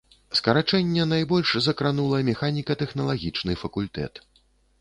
Скарачэнне найбольш закранула механіка-тэхналагічны факультэт.